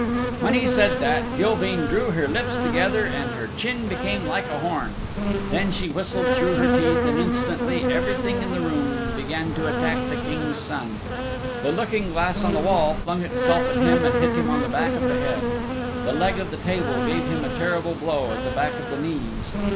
When he said that Gilveen drew her lips together and her chin became like a horn. Then she whistled through her teeth, and instantly everything in the room began to attack the King's Son. The looking glass on the wall flung itself at him and hit him on the back of the head. The leg of the table gave him a terrible blow at the back of the knees.